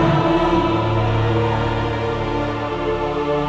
terbernakan dari etwas luar biasa